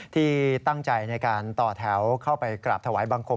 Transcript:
ที่ตั้งใจในการต่อแถวเข้าไปกราบถวายบังคม